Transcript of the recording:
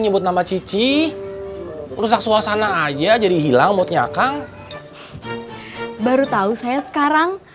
baru tau saya sekarang